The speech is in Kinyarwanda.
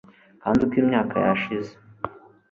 kandi uko imyaka yashize